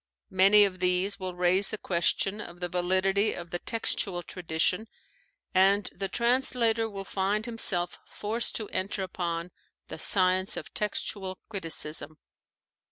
Many of these will raise the question of the validity of the textual tradition, and the translator will find himself forced to enter upon the science of textual criticism.